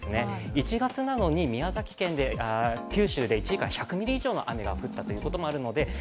１月なのに九州で１時間１００ミリ以上の雨が降ったということもあるので。